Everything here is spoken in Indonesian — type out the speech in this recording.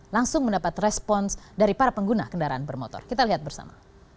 langsung mendapat respons dari para pengguna kendaraan bermotor kita lihat bersama